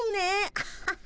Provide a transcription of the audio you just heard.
アハハ。